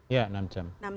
ya enam jam